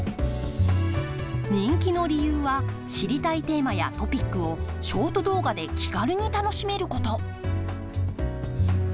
人気の理由は知りたいテーマやトピックをショート動画で気軽に楽しめること。